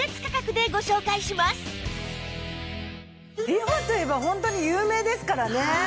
リファといえばホントに有名ですからね。